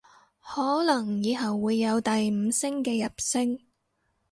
可能以後會有第五聲嘅入聲